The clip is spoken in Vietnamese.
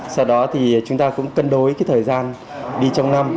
sau đó thì chúng ta cũng cân đối cái thời gian đi trong năm